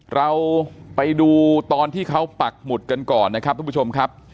เราไปดูตอนที่เขาปักหมุดกันก่อนนะครับทุกผู้ชมครับ